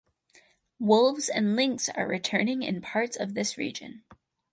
Wolves and lynx are returning in parts of this region.